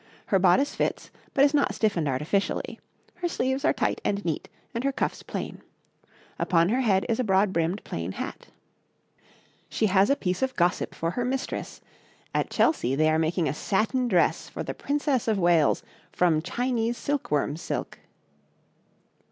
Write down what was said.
Her bodice fits, but is not stiffened artificially; her sleeves are tight and neat, and her cuffs plain. Upon her head is a broad brimmed plain hat. [Illustration: {Comparison of head dress between a lady and a maid}] She has a piece of gossip for her mistress: at Chelsea they are making a satin dress for the Princess of Wales from Chinese silkworm's silk.